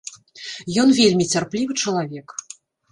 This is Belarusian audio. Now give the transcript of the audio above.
Ён вельмі цярплівы чалавек.